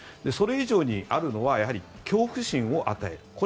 それ以上にあるのは恐怖心を与える。